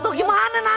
nah tuh nah ya